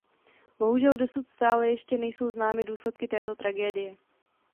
Bohužel dosud stále ještě nejsou známy důsledky této tragédie.